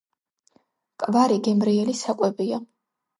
კვარი გემრიელი საკვებია